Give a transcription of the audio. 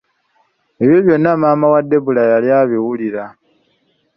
Ebyo byonna maama wa debula yali abiwulira.